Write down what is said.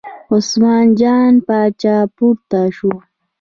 عثمان جان پاچا پورته شو.